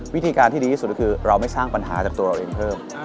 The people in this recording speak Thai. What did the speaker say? วิธีการที่ดีที่สุดก็คือเราไม่สร้างปัญหาจากตัวเราเองเพิ่ม